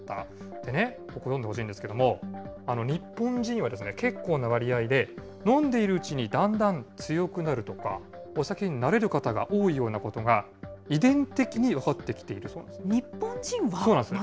でね、ここ、読んでほしいんですけれども、日本人には結構な割合で、飲んでいるうちにだんだん強くなるとか、お酒に慣れる方が多いようなことが、遺伝的に分かっ日本人はなんですか。